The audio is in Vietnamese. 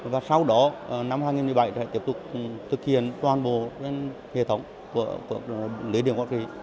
và sau đó năm hai nghìn một mươi bảy sẽ tiếp tục thực hiện toàn bộ hệ thống của lưới điểm